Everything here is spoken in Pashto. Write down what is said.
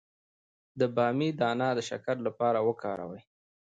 د بامیې دانه د شکر لپاره وکاروئ